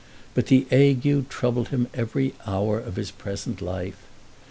But the ague troubled every hour of his present life.